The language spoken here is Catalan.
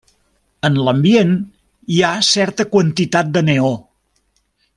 En l'ambient hi ha certa quantitat de neó.